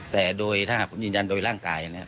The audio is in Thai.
แต่โดยถ้าหากผมยืนยันโดยร่างกายเนี่ย